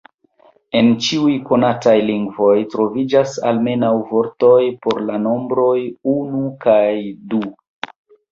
En ĉiuj konataj lingvoj troviĝas almenaŭ vortoj por la nombroj unu kaj du.